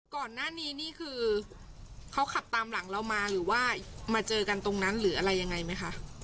ก่อนหน้านี้นี่คือเขาขับตามหลังเรามาหรือว่ามาเจอกันตรงนั้นหรืออะไรยังไงไหมคะ